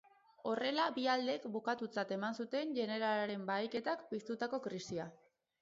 Horrela bi aldeek bukatutzat eman zuten jeneralaren bahiketak piztutako krisia.